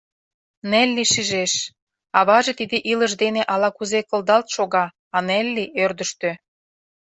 Нелли шижеш: аваже тиде илыш дене ала-кузе кылдалт шога, а Нелли — ӧрдыжтӧ.